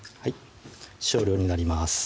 少量になります